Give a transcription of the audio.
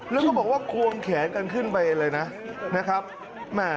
แล้วก็บอกว่าควงแขนกันขึ้นไปเลยนะนะครับ